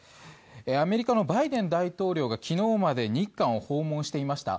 アメリカのバイデン大統領が昨日まで日韓を訪問していました。